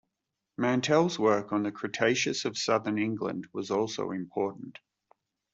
Mantell's work on the Cretaceous of southern England was also important.